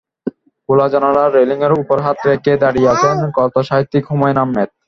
খোলা জানালার রেলিংয়ের ওপর হাত রেখে দাঁড়িয়ে আছেন কথাসাহিত্যিক হুমায়ূন আহমেদ।